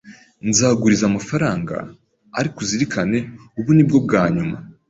Nzaguriza amafaranga, ariko uzirikane, ubu ni bwo bwa nyuma.